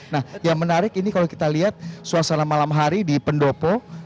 nah yang menarik ini kalau kita lihat suasana malam hari di pendopo